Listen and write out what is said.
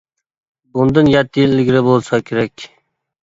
بۇندىن يەتتە يىل ئىلگىرى بولسا كېرەك.